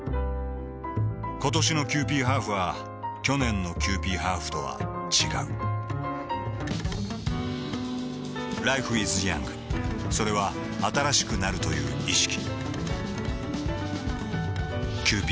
ことしのキユーピーハーフは去年のキユーピーハーフとは違うＬｉｆｅｉｓｙｏｕｎｇ．それは新しくなるという意識